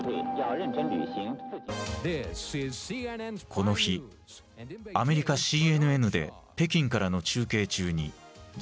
この日アメリカＣＮＮで北京からの中継中に事件が起こった。